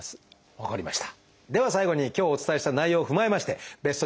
分かりました。